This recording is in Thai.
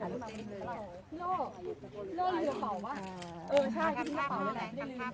อันนี้ก็หลอก